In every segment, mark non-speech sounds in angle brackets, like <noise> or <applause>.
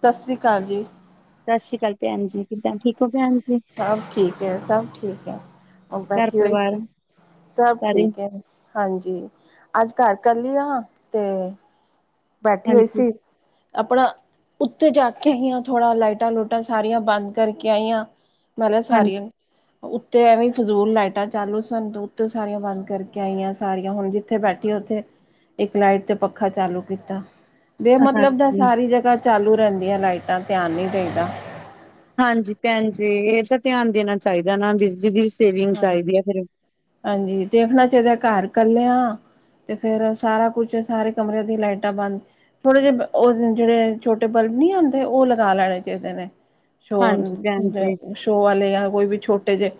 ਸਤਿ ਸ਼੍ਰੀ ਅਕਾਲ ਜੀ। ਸਤਿ ਸ਼੍ਰੀ ਅਕਾਲ ਭੈਨ ਜੀ, ਕਿਦਾਂ? ਠੀਕ ਹੋ ਭੈਣ ਜੀ? ਸਭ ਠੀਕ ਏ, ਸਭ ਠੀਕ ਐ, ਔਰ ਘਰ ਬੈਠੀ ਓਈ, ਪਰਿਵਾਰ ਸਭ ਸਾਰੇ ਠੀਕ ਐ। ਹਾਂਜੀ, ਅੱਜ ਘਰ ਕੱਲੀ ਆਂ ਤੇ ਬੈਠੀ ਹੋਈ ਹਾਂਜੀ, ਸੀ। ਆਪਣਾ ਉਤੋਂ ਜਾ ਕੇ ਆਈ ਆਂ, ਥੋੜ੍ਹਾ ਲਾਈਟਾਂ ਲੂਟਾਂ ਸਾਰੀਆਂ ਬੰਦ ਕਰਕੇ ਆਈ ਆਂ। ਹਾਂਜੀ, <unintelligible> ਉੱਤੇ ਐਵੇਂ ਫਜ਼ੂਲ ਲਾਈਟਾਂ ਚਾਲੂ ਸਨ ਤੇ ਉਤੇ ਸਾਰੀਆਂ ਬੰਦ ਕਰਕੇ ਆਈ ਆਂ ਸਾਰੀਆਂ ਹੁਨ ਜ ਓਥੇ ਬੈਠੀ, ਓਥੇ ਇੱਕ ਲਾਈਟ ਤੇ ਪੱਖਾ ਚਾਲੂ ਕੀਤਾ ਬੇਮਤਲਬ ਦਾ ਹਾਂਜੀ। ਸਾਰੀ ਜਗ੍ਹਾ ਚਾਲੂ ਰਹਿੰਦੀਆਂ ਲਾਈਟਾਂ ਧਿਆਨ ਨੀ ਦਈ ਦਾ। ਹਾਂਜੀ ਭੈਣ ਜੀ, ਏ ਤੇ ਧਿਆਨ ਦੇਨਾ ਚਾਈਦਾ ਏਂਨਾ, ਬਿਜਲੀ ਦੀ ਵੀ ਸੇਵਿੰਗ ਚਾਈਦੀ ਏ ਹਾਂਜੀ ਫੇਰ। ਹਾਂਜੀ, ਦੇਖਨਾ ਚਾਈਦਾ ਘਰ ਕੱਲੇ ਆਂ। ਤੇ ਫੇਰ ਸਾਰਾ ਕੁਛ, ਸਾਰੇ ਕਮਰਿਆਂ ਦੀ ਲਾਈਟਾਂ ਬੰਦ ਥੋੜੇ ਜੇ ਉਹ ਜੇੜੇ ਛੋਟੇ ਬਲਬ ਨੀ ਆਂਦੇ, ਓ ਲਗਾ ਲੈਣੇ ਚਾਈਦੇ ਨੇ। ਸ਼ੋ, ਹਾਂਜੀ ਭੈਣ ਜੀ, <unintelligible> ਸ਼ੋਅ ਵਾਲੇ ਯਾ ਕੋਈ ਵੀ ਛੋਟੇ ਜੇ।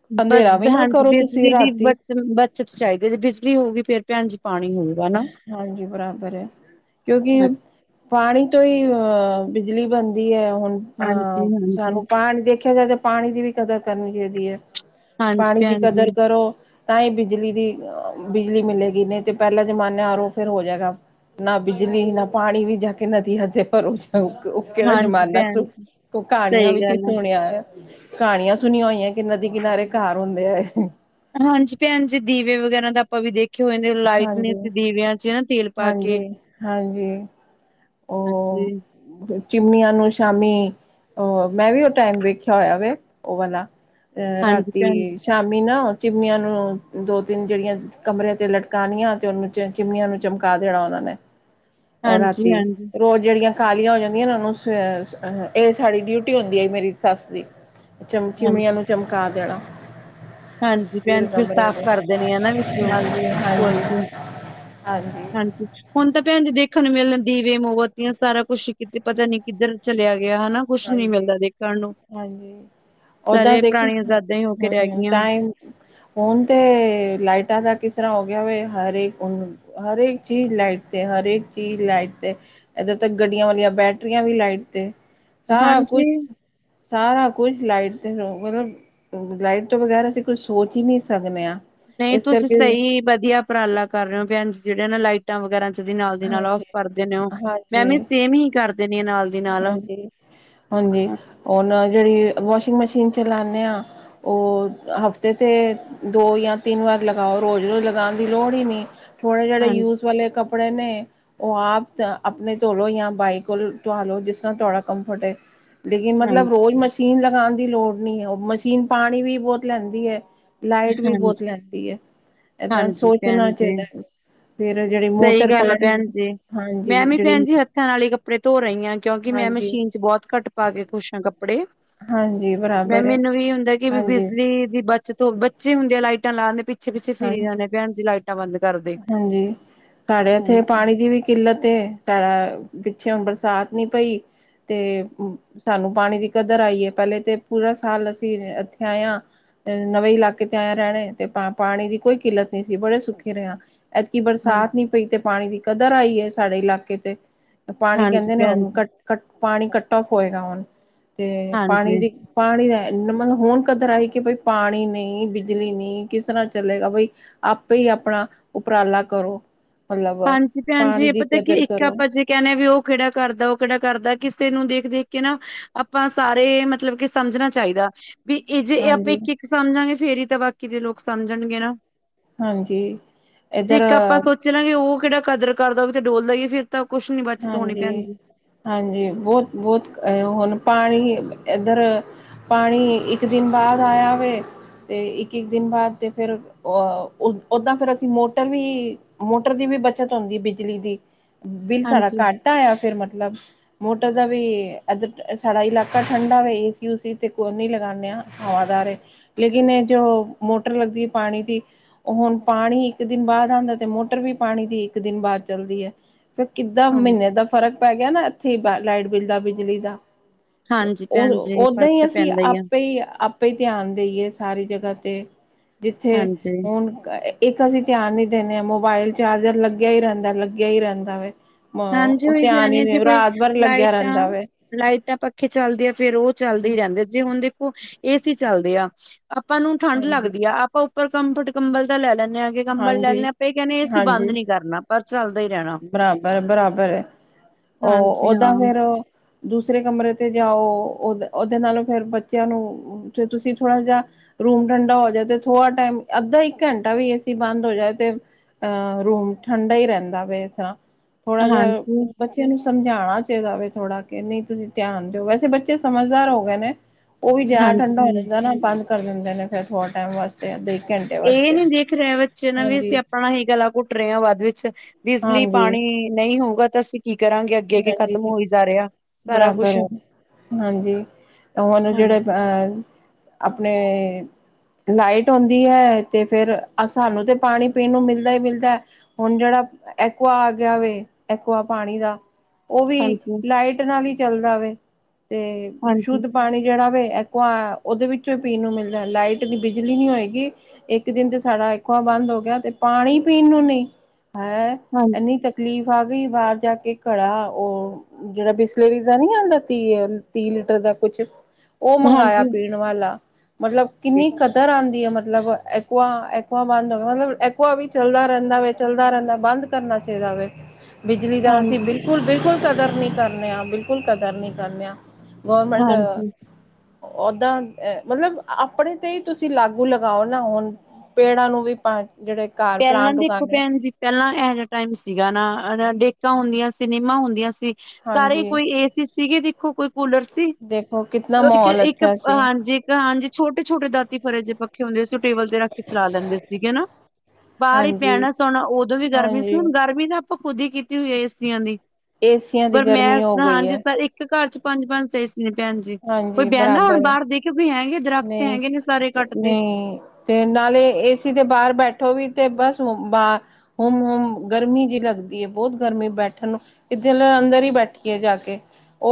<unintelligible> ਹਾਂਜੀ ਕਰੋ ਤੁਸੀਂ ਬਿਜਲੀ ਦੀ ਰਾਤੀ <unintelligible> ਬੱਚਤ ਚਾਈਦੀ ਏ ਜੇ ਬਿਜਲੀ ਹੋਊਗੀ ਫੇਰ ਭੈਣ ਜੀ ਪਾਣੀ ਹੋਊਗਾ ਨਾ। ਹਾਂਜੀ, ਬਰਾਬਰ ਐ। ਕਿਉਂਕਿ ਹਾਂ- ਪਾਣੀ ਤੋਂ ਈ ਅ ਬਿਜਲੀ ਬਣਦੀ ਐ ਹੁਣ ਆ ਹਾਂਜੀ, ਹਾਂਜੀ, ਸਾਨੂੰ ਪਾਣ, ਦੇਖਿਆ ਜਾਏ ਤੇ ਪਾਣੀ ਦੀ ਵੀ ਕਦਰ ਕਰਨੀ ਚਾਈਦੀ ਏ। ਹਾਂਜੀ ਪਾਣੀ ਦੀ ਭੈਣ ਜੀ, ਕਦਰ ਕਰੋ ਤਾਂ ਹੀ ਬਿਜਲੀ ਦੀ ਅ ਬਿਜਲੀ ਮਿਲੇਗੀ ਨੀ ਤੇ ਪਹਿਲੇ ਜਮਾਨੇ ਆਰੋ ਫਿਰ ਹੋ ਜੇਗਾ ਨਾ ਬਿਜਲੀ, ਨਾ ਪਾਣੀ ਵੀ ਜਾ ਕੇ ਨਦੀਆਂ ਚੋਂ ਭਰੋ। <unintelligible> ਓ ਕੇੜਾ ਹਾਂਜੀ ਜ਼ਮਾਨਾ ਸੀ? ਭੈਣ ਜੀ। ਤੇ ਓ ਸਹੀ ਕਹਾਣੀਆਂ ਵਿੱਚ ਈ ਗੱਲ ਆ। ਸੁਣਿਆ ਐ। ਕਹਾਣੀਆਂ ਸੁਣੀਆਂ ਹੋਈਆਂ ਕਿ ਨਦੀ ਕਿਨਾਰੇ ਘਰ ਹੁੰਦੇ। ਹਾਂਜੀ ਪੈੱਜੀ ਦੀਵੇ ਵਗੈਰਾ ਦਾ ਆਪਾਂ ਵੀ ਦੇਖੇ ਹੋਏ ਨੇ ਲਾਈਟ ਨੇ ਹਾਂਜੀ ਸੀ ਦੀਵਿਆਂ ਚ ਨਾ ਤੇਲ ਪਾ ਕੇ ਹਾਂਜੀ ਹਾਂਜੀ ਅੱਛੀ ਉਹ ਚਿਮਨੀਆਂ ਨੂੰ ਸ਼ਾਮੀ ਉਹ ਮੈਂ ਵੀ ਉਹ ਟਾਈਮ ਵੇਖਿਆ ਹੋਇਆ ਵੇ ਓ ਵਾਲਾ ਅਹ ਹਾਂਜੀ ਭੈਣ ਰਾਤੀ ਸ਼ਾਮੀ ਨਾ ਚਿਮੀਆਂ ਨੂੰ ਦੋ-ਤਿੰਨ ਜਿਹੜੀਆਂ ਕਮਰਿਆਂ ਤੇ ਲਟ ਕਾਨੀਆਂ ਤੇ ਉਹਨੂੰ ਚਿਮੀਆਂ ਨੂੰ ਚਮਕਾ ਦੇਣਾ ਉਹਨਾ ਨੇ ਉਹ ਹਾਂਜੀ, ਰਾਤੀ ਹਾਂਜੀ, ਰੋਜ਼ ਜਿਹੜੀਆਂ ਕਾਲੀਆਂ ਹੋ ਜਾਂਦੀਆਂ ਉਨੂੰ ਸ ਹ ਸਾਡੀ ਡਿਊਟੀ ਹੁੰਦੀ ਏ ਮੇਰੀ ਸੱਸ ਦੀ। ਚਮ ਚਿਮਨੀਆਂ ਹਾਂਜੀ, ਨੂੰ ਚਮਕਾ ਦੇਣਾ ਹਾਂਜੀ ਭੈਣ ਜੀ <unintelligible> ਫਿਰ ਸਾਫ਼ ਕਰ ਦੇਣੇ ਆ ਨਾ ਵਿੱਚੋਂ ਖੋਲ ਕੇ, ਹਾਂਜੀ। ਹਾਂਜੀ ਹੁਣ ਤਾਂ ਪੈਣ ਜੀ ਦੇਖਣ ਨੂੰ ਮਿਲਣ ਦੀਵੇ, ਮੋਬੱਤੀਆਂ ਸਾਰਾ ਕੁੱਛ ਕਿਤੇ ਪਤਾ ਨੀ ਕਿੱਧਰ ਚਲਿਆ ਗਿਆ ਹਨਾ ਕੁੱਛ ਨੀ ਹਾਂਜੀ ਮਿਲਦਾ ਦੇਖਣ ਨੂੰ ਹਾਂਜੀ ਓਦਾਂ ਸਾਰੇ ਦੇਖੀ ਪੁਰਾਣੀਆਂ ਹੂ ਯਾਦਾਂ ਹੀ ਹੋ ਕੇ ਰਹਿ ਹੂੰ-ਹੂੰ ਗਈਆਂ। ਟਾਈਮ ਹੁਣ ਤੇ ਲਾਈਟਾਂ ਦਾ ਕਿਸਰ੍ਹਾਂ ਹੋ ਗਯਾ ਵੇ ਹਰੇ ਹਰੇਕ ਚੀਜ਼ ਲਾਈਟ ਤੇ-ਹਰੇਕ ਚੀਜ਼ ਲਾਈਟ ਤੇ ਏਦਾਂ ਤ ਗੱਡੀਆਂ ਵਲੀਆਂ ਬੈਟਰੀਆਂ ਵੀ ਲਾਈਟ ਤੇ- ਸਾਰਾ ਹਾਂਜੀ, ਕੁੱਛ-ਸਾਰਾ ਕੁੱਛ ਲਾਈਟ ਤੇ ਮਤਲਬ ਲਾਈਟ ਤੋਂ ਬਗੈਰ ਅਸੀਂ ਕੁੱਛ ਸੋਚ ਹੀ ਨਹੀਂ ਸਕਣੇ ਆਂ- ਨਹੀਂ ਤੁਸੀਂ ਸਹੀ ਵਧੀਆ ਉਪਰਾਲਾ ਕਰ ਰਹੇ ਓ ਜਿਹੜੇ ਨਾ ਲਾਈਟ ਟਾਂ ਵਗੈਰਾ ਜਦੀ ਨਾਲ ਦੀ ਨਾਲ ਆਫ਼ ਹਾਂਜੀ ਕਰ ਦੇਨੇ ਓ ਮੈ ਹਾਂਜੀ ਵੀ ਸੇਮ ਹੀ ਕਰ ਦੇਣੀ ਆ ਨਾਲ- ਦੀ ਨਾਲ। ਹਾਂਜੀ ਹਾਂਜੀ ਹੁਨ ਜਿਹੜੀ ਵਾਸ਼ਿੰਗ ਮਸ਼ੀਨ ਚਲਾਨੇ ਆ ਉਹ ਹਫ਼ਤੇ ਤੇ ਦੋ ਯਾ ਤਿੰਨ ਵਾਰ ਲਗਾਓ ਰੋਜ਼-ਰੋਜ਼ ਲਗਾਣ ਦੀ ਲੋੜ ਈ ਨੀ। ਥੋੜੇ ਜਿਹੜੇ ਹਾਂਜੀ, ਯੂਜ ਵਾਲੇ ਕੱਪੜੇ ਨੇ ਉਹ ਆਪ ਆਪਣੇ ਧੋਲੋਂ ਜਾਂ ਬਾਈ ਕੋਲ ਧੋ‌ ਆਲੋ ਜਿਸ ਤਰਾ ਤੁਹਾਡਾ ਕੰਫਰਟ ਏ ਲੇਕਿਨ ਮਤਲਬ ਹਾਂਜੀ, ਰੋਜ਼ ਮ ਮਸ਼ੀਨ ਲਗਾਣ ਦੀ ਲੋੜ ਨੀ ਐ ਉਹ ਮਸ਼ੀਨ ਪਾਣੀ ਵੀ ਬੋਤ ਲੈਂਦੀ ਐ। ਲਾਈਟ ਵੀ ਬੋਤ ਹਾਂਜੀ, ਲੈਂਦੀ ਐ ਏਦਾਂ ਹਾਂਜੀ ਸੋਚਣਾ ਭੈਣ ਜੀ। ਚਾਏਦਾ। ਫਿਰ ਜੇੜੀ ਸਹੀ ਮੋਟਰ ਗੱਲ ਪਾਣੀ ਹਾਂਜੀ ਜੇੜੀ ਘਰ ਆਲੇ ਕੱਪੜੇ ਧੋ ਰੀ ਆਂ ਕਿਉਂਕਿ ਮੈਂ ਮਸ਼ੀਨ ਚ ਬੋਤ ਘੱਟ ਪਾ ਕੇ ਖੁਸ਼ ਹਾਂ ਕੱਪੜੇ। ਹਾਂਜੀ ਮੈਂ ਬਰਾਬਰ ਹੈ। ਮੈਨੂੰ ਇ ਹੁੰਦਾ ਕਿ ਵੀ ਹਾਂਜੀ ਬਿਜਲੀ ਦੀ ਬ ਬੱਚਤ ਬੱਚੇ ਹੁੰਦੇ ਆ ਲਾਈਟਾਂ ਲਾਦੇ ਪਿੱਛੇ-ਪਿੱਛੇ ਹਾਂ ਫਿਰੀ ਜਾਣੇ ਪੈਣ ਜੀ ਲਾਈਟਾਂ ਬੰਦ ਕਰਦੇ। ਹਾਂਜੀ ਸਾਡੇ ਐੱਥੇ ਹਾਂਜੀ, ਪਾਣੀ ਦੀ ਵੀ ਕਿੱਲਤ ਏ ਸਾਡਾ ਪਿੱਛਯੋ ਬਰਸਾਤ ਨੀ ਪਈ। ਤੇ ਸਾਨੂੰ ਪਾਣੀ ਦੀ ਕਦਰ ਆਈ ਏ ਪਹਿਲੇ ਤੇ ਪੂਰਾ ਸਾਲ ਅਸੀਂ ਐੱਥੇ ਆਏ ਆਂ। ਨਵੇਂ ਇਲਾਕੇ ਤੇ ਆਏ ਆ ਰਹਿਣੇ ਤੇ ਪਾਣੀ ਦੀ ਕੋਈ ਕਿੱਲਤ ਨੀ ਸੀ ਬੜੇ ਸੁੱਖੀ ਐਤਕੀ ਹਾਂਜੀ। ਬਰਸਾਤ ਨੀ ਪਈ ਤੇ ਪਾਣੀ ਦੀ ਕਦਰ ਆਈ ਐ ਸਾਡੇ ਇਲਾਕੇ ਤੇ ਪਾਣੀ ਹਾਂਜੀ ਕਹਿੰਦੇ ਨੇ ਭੈਣ ਹੁਣ ਜੀ ਕੱਟ-ਕਟ ਪਾਣੀ ਕੱਟ ਓਫ ਹੋਏਗਾ ਹੁਣ ਤੇ ਪਾਣੀ ਹਾਂਜੀ। ਦੀ ਪਾਣੀ ਦਾ ਮੈਨੂੰ ਮਤਲਬ ਹੁਣ ਕਦਰ ਆਈ ਕਿ ਬਈ ਪਾਣੀ ਨਹੀਂ ਬਿਜਲੀ ਨਹੀਂ ਕਿਸ ਤਰ੍ਹਾਂ ਚਲੇਗਾ ਬਈ ਆਪੇ ਈ ਆਪਣਾ ਉਪਰਾਲਾ ਕਰੋ। ਮਤਲਬ ਹਾਂਜੀ ਪੈਣਜੀ ਪਾਣੀ ਇਹ ਦੀ ਪਤਾ ਕਿ ਕਦਰ ਇੱਕ ਕਰੋ ਆਪਾਂ ਜੇ ਕਹਿਣੇ ਵੀ ਉਹ ਕਿਹੜਾ ਕਰਦਾ-ਉਹ ਕਿਹੜਾ ਕਰਦਾ ਕਿਸੇ ਨੂੰ ਦੇਖ-ਦੇਖ ਕੇ ਨਾ ਆਪਾਂ ਸਾਰੇ ਮਤਲਬ ਕਿ ਸਮਝਣਾ ਚਾਈਦਾ। ਵੀ ਇਹ ਜੇ ਆਪਾਂ ਹਾਂਜੀ ਇੱਕ-ਇੱਕ ਸਮਝਾਂਗੇ ਫੇਰ ਹੀ ਤਾਂ ਬਾਕੀ ਦੇ ਲੋਕ ਸਮਝਣਗੇ ਨਾ। ਹਾਂਜੀ ਐੱਧਰ ਚਲੋ ਉਹ ਕਿਹੜਾ ਕਦਰ ਕਰਦਾ ਉਹ ਵੀ ਤੇ ਡੋਲਦਾ ਹੀ ਫ਼ਿਰ ਤਾਂ ਕੁਛ ਨੀ ਬੱਚਤ ਹੋਣੀ ਪੈਣ ਹਾਂਜੀ ਜੀ। ਹਾਂਜੀ ਬਹੁਤ-ਬਹੁਤ ਐ ਹੁਣ ਪਾਣੀ ਇੱਧਰ ਪਾਣੀ ਇੱਕ ਦਿਨ ਬਾਅਦ ਆਇਆ ਵੇ ਤੇ ਇੱਕ-ਇੱਕ ਦਿਨ ਬਾਅਦ ਤੇ ਫਿਰ ਅ ਓਦਾਂ ਫਿਰ ਅਸੀਂ ਮੋਟਰ ਵੀ ਮੋਟਰ ਦੀ ਵੀ ਬੱਚਤ ਹੁੰਦੀ ਹੈ ਬਿਜਲੀ ਦੀ, ਬਿੱਲ ਸਾਡਾ ਹਾਂਜੀ, ਘੱਟ ਆਯਾ ਫਿਰ ਮਤਲਬ ਮੋਟਰ ਦਾ ਵੀ ਇਧਰ, ਸਾਡਾ ਇਲਾਕਾ ਠੰਡਾ ਵੇ ਏਸੀ ਉਸੀ ਤੇ ਕੋਈ ਨੀ ਲਗਾਨੇ ਆ। ਹਵਾਦਾਰ ਐ ਲੇਕਿਨ ਇਹ ਜੋ ਮੋਟਰ ਲੱਗਦੀ ਏ ਪਾਣੀ ਦੀ ਉਹ ਹੁਣ ਪਾਣੀ ਇੱਕ ਦਿਨ ਬਾਅਦ ਆਂਦਾ ਤੇ ਮੋਟਰ ਵੀ ਪਾਣੀ ਦੀ ਇੱਕ ਦਿਨ ਬਾਅਦ ਚੱਲਦੀ ਐ। ਕਿੱਦਾਂ ਹਾਂਜੀ, ਮਹੀਨੇ ਦਾ ਫ਼ਰਕ ਪੈ ਗਿਆ ਨਾ ਇੱਥੇ ਲਾਈਟ ਬਿੱਲ ਦਾ, ਬਿਜਲੀ ਦਾ। ਹਾਂਜੀ ਭੈਣ ਉਹ ਜੀ ਓਦਾਂ ਫ਼ਰਕ ਹੀ ਤਾਂ ਅਸੀਂ ਪੈਂਦਾ ਆ ਆਪੇ ਹੀ ਆਪ, ਆਪੇ ਇ ਧਿਆਨ ਦੇਈਏ ਸਾਰੀ ਜਗ੍ਹਾ 'ਤੇ ਜਿੱਥੇ ਹਾਂਜੀ। ਹੁਣ ਗੇ,, ਇੱਕ ਅਸੀਂ ਧਿਆਨ ਨੀ ਦੇਨੇ ਆ ਮੋਬਾਇਲ ਚਾਰਜਰ ਲੱਗਿਆ ਇ ਰੇਨਦਾ ਲੱਗਿਆ ਇ ਰੇਨਦੇ ਦੇ। ਹਾਂਜੀੇ ਓਈ ਕੇਹਨੇ ਆ ਜੇ ਕੋਈ ਭਰ ਲੱਗਿਆ ਲਾਈਟਾਂ ਰਹਿੰਦਾ ਵ ਲਾਈਟਾਂ, ਪੱਖੇ ਚੱਲਦੇ ਆ ਫੇਰ ਓ ਚੱਲਦੇ ਹੀ ਰੇਨਦੇ ਆ। ਜੇ ਹੁਣ ਦੇਖੋ ਏਸੀ ਚੱਲਦੇ ਆ ਆਪਾਂ ਨੂੰ ਠੰਢ ਹਾਂਜੀ ਲੱਗਦੀ ਆ, ਆਪਾਂ ਉੱਪਰ ਕੰਫਟ ਕੰਬਲ ਤਾਂ ਲੈ ਲੈਂਦੇ ਹਾਂ। ਕੰਬਲ ਲੈ ਹਾਂਜੀ ਲਨੇ ਆਪਾਂ ਇਹ ਕੇਹਨੇ ਆ ਅਸੀਂ ਬੰਦ ਨਈ ਕਰਨਾ ਪਰ ਚੱਲਦਾ ਹੀ ਰੇਨਾ। ਬਰਾਬਰ-ਬਰਾਬਰ ਏ, ਹਾਂਜੀ ਉਹ ਦਾ ਹਾਂ, ਫੇਰ ਓ ਦੂਸਰੇ ਕਮਰੇ ਤੇ ਜਾਓ। ਓ ਦੇ ਉਹਦੇ ਨਾਲੋਂ ਫੇਰ ਬੱਚਿਆਂ ਨੂੰ ਫਿਰ ਤੁਸੀਂ ਥੋੜਾ ਜਿਹਾ ਰੂਮ ਠੰਡਾ ਹੋ ਜਾਏ ਤੇ ਥੋੜਾ ਟਾਈਮ ਅੱਧਾ ਇੱਕ ਘੰਟਾ ਵੀ ਏਸੀ ਬੰਦ ਹੋ ਜਾਏ ਤੇ ਅਹ ਰੂਮ ਠੰਢਾ ਹੀ ਰੇਨਦਾ ਵੇ ਇਸ ਤਰ੍ਹਾਂ, ਥੋੜਾ ਜਿਹਾ ਹਾਂਜੀ, ਬੱਚਿਆਂ ਨੂੰ ਸਮਝਣਾ ਚਾਹੀਦਾ ਵੇ ਥੋੜਾ ਕਿ ਨਈ ਤੁਸੀਂ ਧਿਆਨ ਦਿਓ ਵੈਸੇ ਬੱਚੇ ਸਮਝਦਾਰ ਹੋ ਗਏ ਨੇ, ਉਹ ਵੀ ਜਿਆਦਾ ਹਾਂਜੀ ਠੰਡਾ ਹੋ ਭੈਣ ਜਾਂਦਾ ਨਾ ਬੰਦ ਕਰ ਦਿੰਦੇ ਨੇ ਫੇਰ ਥੋੜ੍ਹੇ ਟਾਈਮ ਵਾਸਤੇ ਅੱਧੇ ਘੰਟੇ ਇਹ ਵਾਸਤੇ ਨੀ ਦੇਖ ਰਿਹਾ ਨਾ ਵੀ ਹਾਂਜੀ ਸਿਆ ਆਪਣਾ ਹੀ ਗਲਾ ਘੁੱਟ ਰਹੇ ਹਾਂ ਬਾਅਦ ਵਿੱਚ ਬਿਜਲੀ ਹਾਂਜੀ ਪਾਣੀ ਨਈ ਹੋਊਗਾ ਤਾਂ ਅਸੀਂ ਕੀ ਕਰਾਂਗੇ ਅੱਗੇ ਅੱਗੇ ਖਤਮ ਹਾਂਜੀ ਹੋਈ ਜਾ ਰਿਹਾ ਸਾਰਾ ਬਰਾਬਰ ਕੁੱਛ ਹੈ ਹਾਂਜੀ ਤੇ ਹੁਣ ਉਹ ਜਿਹੜੇ ਹਾਂਜੀ ਆਪਣੇ ਲਾਈਟ ਆਉਂਦੀ ਐ ਤੇ ਫੇਰ ਸਾਨੂੰ ਤੇ ਪਾਣੀ ਪੀਣ ਨੂੰ ਮਿਲਦਾ ਹੀ ਮਿਲਦਾ। ਹੁਣ ਜਿਹੜਾ ਐਕੁਆ ਆ ਗਿਆ ਵੇ, ਐਕੁਆ ਪਾਣੀ ਦਾ ਓ ਵੀ ਹਾਂਜੀ ਲਾਈਟ ਨਾਲ ਇ ਚੱਲਦਾ ਵੇ ਤੇ ਹਾਂਜੀ ਸ਼ੁੱਧ ਪਾਣੀ ਜਿਹੜਾ ਵੈ ਏਕੁਆ ਉਹਦੇ ਵਿੱਚੋਂ ਹੀ ਪੀਣ ਨੂੰ ਮਿਲਦਾ, ਲਾਈਟ ਨੀ ਬਿਜਲੀ ਨਹੀਂ ਹੋਏਗੀ ਏਕ ਦਿਨ ਸਾਡਾ ਐਕੁਆ ਬੰਦ ਹੋ ਗਿਆ ਤੇ ਪਾਣੀ ਪੀਣ ਨੂੰ ਨਹੀਂ ਹੈਂ ਹਾਂਜੀ ਇੰਨੀ ਤਕਲੀਫ਼ ਆ ਗਈ ਬਾਹਰ ਜਾ ਕੇ ਘੜਾ ਉਹ ਜਿਹੜਾ ਬਿਸਲੇਰੀ ਦਾ ਨੀ ਆਂਦਾ ਤੀਹ ਤੀਹ ਲੀਟਰ ਦਾ ਕੁਛ ਉਹ ਮੰਗਾਆ ਹਾਂਜੀ ਪੀਣ ਵਾਲਾ ਮਤਲਬ ਕਿੰਨੀ ਕਦਰ ਆਦੀ ਮਤਲਬ ਐਕੁਆ-ਐਕੁਆ ਬੰਦ ਹੋ ਮਤਲਬ ਐਕੁਆ ਵੀ ਚੱਲਦਾ ਰੇਨਦਾ ਵੇ ਚੱਲਦਾ ਰੇਨਦਾ ਬੰਦ ਕਰਨਾ ਚਾਹੀਦਾ ਵੇ ਬਿਜਲੀ ਦਾ ਅਸੀਂ ਹਾਂਜੀ ਬਿਲਕੁਲ-ਬਿਲਕੁਲ ਕਦਰ ਨੀ ਕਰਨੇ ਆ, ਬਿਲਕੁਲ ਕਦਰ ਨੀ ਕਰਨੇ ਆ। ਗੌਰੌਰਮੈਂਟ ਅ ਹਾਂਜੀ ਓਦਾਂ ਮਤਲਬ ਆਪਣੇ ਤੇ ਹੀ ਤੁਸੀਂ ਲਾਗੂ ਲਗਾਓ ਨਾ ਹੁਣ ਪੇੜਾਂ ਨੂੰ ਵੀ ਪਾ ਜਿਹੜੇ ਘਰ ਪੇਲਾ ਪਲਾਂਟ ਦੇਖੋ ਉਗਾਉਣੇ ਪੈਣ ਜੀ। ਪੇਲਾ ਇਹੋ ਜਿਹਾ ਟਾਈਮ ਸੀਗਾ ਨਾ, ਡੇਕਾਂ ਹੁੰਦੀਆਂ ਸੀ ਨਿਮਾਂ ਹੁੰਦੀਆਂ ਸੀ ਸਾਰੇ ਹਾਂਜੀ ਕੋਈ ਏਸੀ ਸੀਗੇ ਦੇਖੋ ਕੋਈ ਕੂਲਰ ਸੀ, ਦੇਖੋ ਕਿਤਨਾ ਏਕ ਮਾਹੌਲ ਇੱਕ ਅੱਛਾ ਸੀ ਹਾਂਜੀ। ਹਾਂਜੀ ਛੋਟੇ ਛੋਟੇ ਦਾਤੀ ਫਰੇ ਜੇ ਪੱਖੇ ਹੁੰਦੇ ਸੀ। ਉਹ ਟੇਬਲ ਤੇ ਰੱਖ ਕੇ ਚਲਾ ਲੈਂਦੇ ਸੀਗੇ ਨਾ। ਬਾਹਰ ਹੀ ਹਾਂਜੀ ਪੈਣਾ ਸੌਣਾ ਉਦੋਂ ਵੀ ਗਰਮੀ ਸੀ ਹਾਂਜੀ ਹੁਣ ਗਰਮੀ ਨਾ ਆਪਾਂ ਖੁਦ ਹੀ ਕੀਤੀ ਹੋਈ ਹੈ ਏ ਸੀ ਆਂ ਦੀ ਏਸੀਆਂ ਦੀ ਗਰਮੀ ਗਰਮਾਇਸ਼ ਹੋ ਗਈ ਹਾਂਜੀ ਹੈ ਸ ਇੱਕ ਘਰ ਚ ਪੰਜ ਪੰਜ ਤੇ ਏ ਸੀ ਨੇ ਭੈਣ ਜੀ ਕੋਈ ਹਾਂਜੀ ਬਹਿੰਦਾ ਹੁਣ ਬਰਾਬਰ ਏ ਬਾਹਰ ਦੇਖਿਓ ਕੋਈ ਹੈਂਗੇ ਦਰੱਖਤ ਨਹੀਂ ਹੈਗੇ ਨੇ, ਸਾਰੇ ਕੱਟਤੇ ਨਹੀਂ ਤੇ ਨਾਲੇ ਏਸੀ ਦੇ ਬਾਹਰ ਬੈਠੋ ਵੀ ਤੇ ਬਸ ਹੁਮ ਹੁਮ ਗਰਮੀ ਜਿਹੀ ਲੱਗਦੀ ਹੈ ਬਹੁਤ ਗਰਮੀ ਬੈਠਣ ਨੂੰ ਕਿ ਚਲੋ ਅੰਦਰ ਹੀ ਬੈਠੀਏ ਜਾ ਕੇ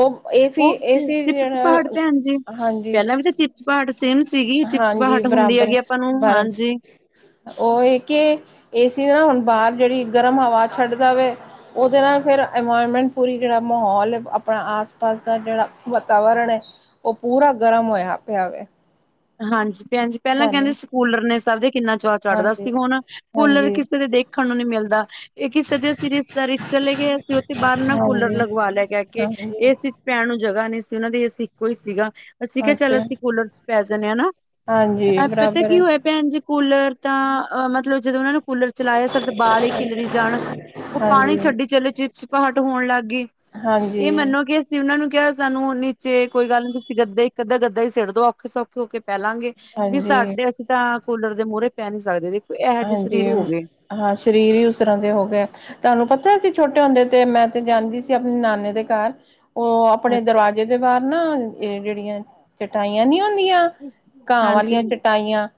ਉਹ ਏਸੀ ਉਹ ਏਸੀ ਚਿਪ ਚਪਾਹਟ ਜਿਹੜਾ ਭੈਣ ਜੀ, ਹਾਂਜੀ ਪਹਿਲਾਂ ਵੀ ਤਾਂ ਚਿਪਚਪਾਹਟ ਸੇਮ ਸੀਗੀ ਹਾਂਜੀ ਚਿਪਚਪਾਹਟ ਹੁੰਦੀ ਬਰਾਬਰ ਹੈਗੀ ਆਪਾਂ ਨੂੰ ਬਰ ਹਾਂਜੀ ਉਹ ਇਹ ਕਿ ਏਸੀ ਨਾ ਹੁਣ ਬਾਹਰ ਜਿਹੜੀ ਗਰਮ ਹਵਾ ਛੱਡ ਦਾ ਵੇ ਉਹਦੇ ਨਾਲ ਫਿਰ ਇਨਵਾਇਰਮੈਂਟ ਪੂਰੀ ਤਰਾਂ ਮਾਹੌਲ ਹੈ ਆਪਣਾ ਆਸ ਪਾਸ ਦਾ ਜਿਹੜਾ ਵਾਤਾਵਰਣ ਹੈ ਉਹ ਪੂਰਾ ਗਰਮ ਹੋਇਆ ਪਯਾ ਵੈ। ਹਾਂਜੀ ਭੈਣਜੀ ਪਹਿਲਾਂ ਕਹਿੰਦੇ ਸੀ ਕੂਲਰ ਨੇ ਸਬਦੇ ਕਿੰਨਾ ਚਾਅ ਚੜ੍ਹਦਾ ਹਾਂਜੀ, ਸੀ ਹੁਣ ਕੂਲਰ ਹਾਂਜੀ, ਕਿਸੇ ਦੇ ਦੇਖਣ ਨੂੰ ਨਹੀਂ ਮਿਲਦਾ ਇਹ ਕਿਸੇ ਦੇ ਅਸੀਂ ਰਿਸ਼ਤੇਦਾਰੀ ਚ ਚਲੇ ਗਏ, ਅਸੀਂ ਉੱਥੇ ਬਾਹਰ ਨਾ ਕੂਲਰ ਹਾਂਜੀ, ਲਗਵਾ ਲਿਆ ਕਹਿ ਕੇ, ਹਾਂਜੀ ਏ ਸੀ ਚ ਪੈਣ ਨੂੰ ਜਗ੍ਹਾ ਨਹੀਂ ਸੀ ਉਹਨਾਂ ਦੇ ਏਸੀ ਇੱਕੋ ਈ ਸੀਗਾ ਅਸੀਂ ਕਿਹਾ ਚੱਲੋ ਅੱਛਾ, ਅਸੀਂ ਕੂਲਰ ਚ ਦਸ ਦੇਨੇ ਆ ਉਨੂੰ, ਹਾਂਜੀ ਪਤਾ ਬਰਾਬਰ ਕੀ ਹੈ, ਹੋਇਆ ਭੈਣ ਜੀ ਕੂਲਰ ਤਾਂ ਅ ਮਤਲਬ ਜਦੋਂ ਉਹਨਾਂ ਨੂੰ ਕੂਲਰ ਚਲਾਇਆ ਸਾਡੇ ਤਾਂ ਬਾਲ ਹੀ ਖਿਲਰੀ ਜਾਣ ਉਹ ਪਾਣੀ ਹਾਂਜੀ, ਛੱਡੀ ਚਲੇ ਚਿਪਚਿਪਾਹਟ ਹੋਣ ਲੱਗ ਗਈ ਹਾਂਜੀ ਤੇ ਉਹਨਾ ਨੂੰ ਕਿਹਾ ਸਾਨੂੰ ਨੀਚੇ ਕੋਈ ਗੱਲ ਨੀ ਤੁਸੀਂ ਗੱਦਾ ਇੱਕ ਅੱਧਾ ਗੱਦਾ ਈ ਸਿੱਟ ਦੋ ਔਖੇ ਸੌਖੇ ਹੋਕੇ ਪੈਲਾਂਗੇ, ਵੀ ਹਾਂਜੀ। ਸਾਡੇ ਅਸੀਂ ਤਾਂ ਕੂਲਰ ਦੇ ਮੂਹਰੇ ਪੈ ਨਹੀਂ ਸਕਦੇ ਵੀ ਹਾਂਜੀ ਹਾਂ ਸਰੀਰ ਹੀ ਉਸ ਤਰ੍ਹਾਂ ਦੇ ਹੋ ਗਏ ਤੁਹਾਨੂੰ ਪਤਾ ਅਸੀ ਛੋਟੇ ਹੁੰਦੇ ਤੇ ਮੈਂ ਤੇ ਜਾਂਦੀ ਸੀ ਆਪਣੇ ਨਾਨੇ ਦੇ ਘਰ ਉਹ ਆਪਣੇ ਦਰਵਾਜ਼ੇ ਦੇ ਬਾਹਰ ਨਾ ਇਹ ਜਿਹੜੀਆਂ ਚਟਾਈਆਂ ਨੀ ਹੁੰਦੀਆਂ ਘਾਹ ਹਾਂਜੀ, ਵਾਲੀਆਂ ਚਟਾਈਆਂ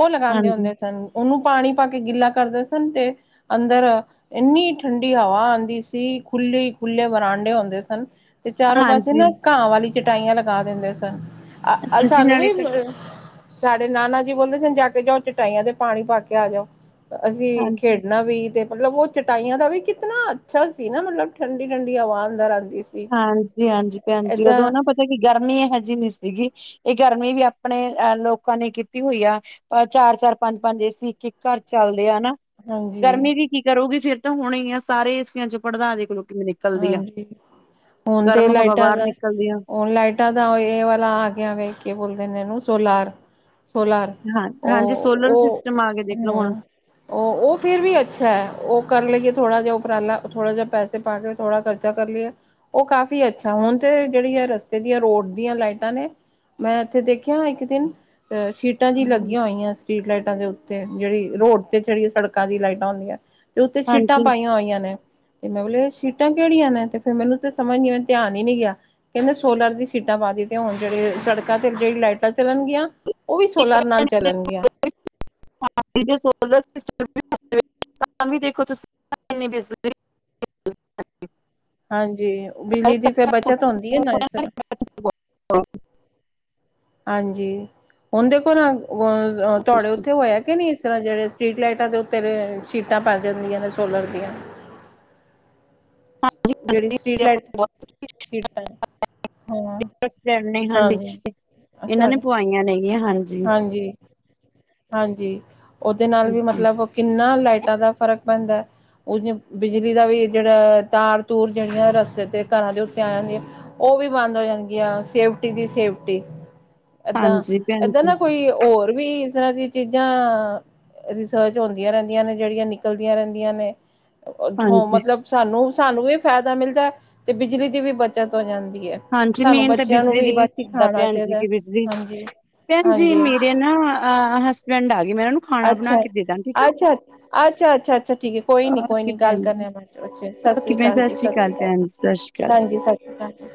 ਉਹ ਲਗਾਉਂਦੇ ਹੁੰਦੇ ਹਾਂਜੀ, ਸਨ ਉਹਨੂੰ ਪਾਣੀ ਪਾ ਕੇ ਗਿੱਲਾ ਕਰਦੇ ਸਨ ਤੇ ਅੰਦਰ ਇੰਨੀ ਠੰਡੀ ਹਵਾ ਆਉਂਦੀ ਸੀ, ਖੁੱਲ੍ਹੇ ਖੁੱਲ੍ਹੇ ਬਰਾਂਡੇ ਹੁੰਦੇ ਸਨ ਤੇ ਚਾਰੋਂ ਪਾਸੇ ਹਾਂਜੀ, ਨਾ ਘਾਹ ਵਾਲੀ ਚਟਾਈਆਂ ਲਗਾ ਦਿੰਦੇ ਸਨ ਹਾਂਜੀ ਸਾਨੂੰ ਨਾਲੇ ਵੀ ਸਾਡੇ ਨਾਨਾ ਜੀ ਬੋਲਦੇ ਸਨ ਜਾ ਕੇ ਜਾਓ ਚਟਾਈਆਂ ਤੇ ਪਾਣੀ ਪਾ ਕੇ ਆ ਜਾਓ, ਅਸੀਂ ਹਾਂਜੀ, ਖੇਡਣਾ ਵੀ ਤੇ ਮਤਲਬ ਉਹ ਚਟਾਈਆਂ ਦਾ ਵੀ ਕਿਤਨਾ ਅੱਛਾ ਸੀ ਨਾ ਮਤਲਬ ਠੰਡੀ ਠੰਡੀ ਹਵਾ ਅੰਦਰ ਆਉਂਦੀ ਸੀ ਹਾਂਜੀ ਹਾਂਜੀ ਭੈਣਜੀ ਏਦਾਂ ਉਦੋਂ ਨਾ ਪਤਾ ਕਿ ਗਰਮੀ ਇਹੋ ਜਿਹੀ ਨੀ ਸੀਗੀ ਇਹ ਗਰਮੀ ਵੀ ਆਪਣੇ ਅਹ ਲੋਕਾਂ ਨੇ ਕੀਤੀ ਹੋਈ ਆ ਪਰ ਚਾਰ ਚਾਰ ਪੰਜ ਪੰਜ ਏ ਸੀ ਇਕ ਇਕ ਘਰ ਚੱਲਦੇ ਆ ਨਾ ਹਾਂਜੀ। ਗਰਮੀ ਵੀ ਕੀ ਕਰੂਗੀ ਫੇਰ ਤਾਂ ਹੋਣੀ ਹੀ ਐ ਸਾਰੇ ਏਸੀਆਂ ਚੋਂ ਭੜਾਸ ਹੀ ਨਿਕਲੂਗੀ ਹਾਂਜੀ ਹੁਣ ਤੇ ਹਵਾ ਲਾਈਟਾਂ ਬਾਹਰ ਦਾ ਨਿਕਲਦੀ ਆ ਹੁਣ ਲਾਈਟ ਟ ਦਾ ਇਹ ਵਾਲਾ ਆ ਗਿਆ ਵੇ, ਕਿ ਬੋਲਦੇ ਨੇ ਇਹਨੂੰ ਸੋਲਾਰ ਸੋਲਰ ਹਾਂ ਹਾਂਜੀ ਉਹ ਸੋਲਰ ਉਹ ਸਿਸਟਮ ਆ ਗਏ ਦੇਖਲੋ ਹੂ ਹੁਣ ਉਹ ਉਹ ਫਿਰ ਵੀ ਅੱਛਾ ਹੈ, ਉਹ ਕਰ ਲਈਏ ਥੋੜ੍ਹਾ ਜਿਹਾ ਉਪਰਾਲਾ ਥੋੜ੍ਹਾ ਜਿਹਾ ਪੈਸੇ ਪਾ ਕੇ ਥੋੜਾ ਖਰਚਾ ਕਰ ਲਈਏ ਉਹ ਕਾਫ਼ੀ ਅੱਛਾ ਹੁਣ ਤੇ ਜਿਹੜੀ ਹੈ ਰਸਤੇ ਦੀਆਂ ਰੋਡ ਦੀਆਂ ਲਾਈਟਾਂ ਨੇ ਮੈਂ ਇੱਥੇ ਦੇਖਿਆ ਇੱਕ ਦਿਨ ਅਹ ਸਟ੍ਰੀ ਲਾਈਟਾਂ ਜਿ ਲੱਗੀਆਂ ਹੋਈਆਂ ਸਟ੍ਰਰੀਟ ਲਾਈਟਾਂ ਦੇ ਉੱਤੇ ਜਿਹੜੀ ਰੋਡ ਤੇ ਜਿਹੜੀ ਸੜਕਾਂ ਦੀ ਲਾਈਟਾਂ ਹੁੰਦੀਆਂ ਤੇ ਉੱਥੇ ਸ਼ੀਟਾਂ ਹਾਂਜੀ ਪਾਈਆਂ ਹੋਈਆਂ ਨੇ ਤੇ ਮੈਂ ਬੋਲਿਆ ਸ਼ੀਟਾਂ ਤਾਂ ਕਿਹੜੀਆਂ ਨੇ ਤੇ ਫਿਰ ਮੈਨੂੰ ਤੇ ਸਮਝ ਨਹੀਂ, ਮੈਂਨੂੰ ਧਿਆਨ ਹੀ ਨਹੀ ਗਯਾ ਕਹਿੰਦੇ ਸੋਲਰ ਦੀ ਸੀਟਾਂ ਪਾ ਤੇ ਹੁਣ ਜਿਹੜੇ ਸੜਕਾਂ ਤੇ ਜਿਹੜੀ ਲਾਈਟਾਂ ਚੱਲਣਗੀਆਂ ਉਹ ਵੀ ਸੋਲਰ ਨਾਲ ਚੱਲਣਗੀਆਂ <unintelligible> ਤਾਂ ਵੀ ਦੇਖੋ ਤੁਸੀਂ <unintelligible> ਹਾਂਜੀ ਬਿਜਲੀ ਦੀ ਫਿਰ ਬੱਚਤ ਹੁੰਦੀ ਹੈ ਨਾ ਇਸ ਤਰ੍ਹਾਂ <unintelligible> ਹਾਂਜੀ ਹਣ ਦੇਖੋ ਨਾ ਤੁਹਾਡੇ ਉੱਥੇ ਹੋਇਆ ਕਿ ਨਹੀਂ ਇਸ ਤਰ੍ਹਾਂ ਜਿਹੜੇ ਸਟਰੀਟ ਲਾਈਟਾਂ ਦੇ ਉੱਤੇ ਸ਼ੀਟਾਂ ਪੈ ਜਾਂਦੀਆਂ ਨੇ ਸੋਲਰ ਦੀਆਂ ਹਾਂਜੀ ਜਿਹੜੀ ਹਾਂਜੀ ਸਟਰੀਟ ਲਾਈਟ ਸੀਟਾਂ ਹਾਂ <unintelligible> <unintelligible> ਹਾਂਜੀ ਇਹਨਾਂ ਨੇ ਸਾਡੇ ਪੁਆਈਆਂ ਨੇ ਗੀਆਂ ਹਾਂਜੀ ਹਾਂਜੀ ਹਾਂਜੀ ਉਹਦੇ ਨਾਲ ਵੀ ਹਾਂਜੀ ਮਤਲਬ ਕਿੰਨਾ ਲਾਈਟਾਂ ਦਾ ਫ਼ਰਕ ਪੈਂਦਾ ਉਹ ਬਿਜਲੀ ਦਾ ਵੀ ਜਿਹੜਾ ਤਾਰ ਤੂਰ ਜਿਹੜੀਆਂ ਰਸਤੇ ਤੇ ਘਰਾਂ ਦੇ ਉੱਤੇ ਆ ਜਾਂਦੀ ਆ ਉਹ ਵੀ ਬੰਦ ਹੋ ਜਾਂਣਗੀਆਂ ਸੇਫਟੀ ਦੀ ਸੇਫਟੀ ਹਾਂਜੀ ਭੈਣ ਇੱਧਰ ਜੀ ਨਾ ਕੋਈ ਹੋਰ ਵੀ ਇਸ ਤਰ੍ਹਾਂ ਦੀ ਚੀਜ਼ਾਂ ਰਿਸਰਚ ਹੁੰਦੀਆਂ ਰਹਿੰਦੀਆਂ ਨੇ ਜਿਹੜੀਆਂ ਨਿਕਲਦੀਆਂ ਰਹਿੰਦੀਆਂ ਨੇ ਉਥੋਂ ਹਾਂਜੀ ਮਤਲਬ ਸਾਨੂੰ ਸਾਨੂੰ ਵੀ ਫਾਇਦਾ ਮਿਲਦਾ ਤੇ ਬਿਜਲੀ ਦੀ ਵੀ ਬੱਚਤ ਹੋ ਜਾਂਦੀ ਹੈ। ਹਾਂਜੀ ਸਾਨੂੰ ਮੇਨ ਤਾਂ ਬੱਚਿਆਂ ਨੂੰ ਬਿਜਲੀ ਵੀ ਦੀ ਇਹੀ ਬੱਚਤ ਕਰਦੇ ਸਿਖਾਉਣਾ ਹਨ ਚਾਹੀਦਾ ਕਿ ਬਿਜਲੀ ਹਾਂਜੀ ਹਾਂਜੀ ਮੇਰੇ ਹਸਬੈਂਡ ਆ ਗਏ ਨੇ ਮੈਂ ਉਹਨਾਂ ਨੂੰ ਖਾਣਾ ਬਣਾ ਅੱਛਾ ਕੇ ਦੇ ਦਾਂ ਠੀਕ ਆ ਅੱਛਾ ਅੱਛਾ ਅੱਛਾ ਅੱਛਾ ਠੀਕ ਏ ਕੋਈ ਨਹੀ ਕੋਈ ਓਕੇ ਨਹੀ ਗੱਲ ਭੈਣ ਜੀ ਕਰਨੇ ਆ ਅੱਛਾ ਜੀ ਸਤਿ ਓਕੇ ਸ਼੍ਰੀ ਭੈਣ ਅਕਾਲ ਜੀ ਸਤਿ ਅਕਾਲ ਸ਼੍ਰੀ ਭੈਣ ਸਤਿ ਸ਼੍ਰੀ ਅਕਾਲ ਜੀ ਹਾਂਜੀ ਸਤਿ ਸ਼੍ਰੀ ਅਕਾਲ ਜੀ